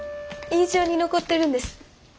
印象に残ってるんです。